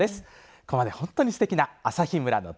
ここまで本当にすてきな朝日村の旅